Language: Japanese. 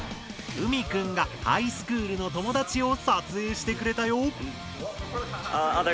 ＵＭＩくんがハイスクールの友達を撮影してくれたよ。